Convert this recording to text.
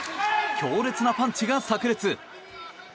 強烈なパンチが炸裂。